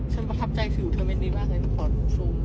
ฉันพรับใจสิวเธอไม่ได้บ้างขอชม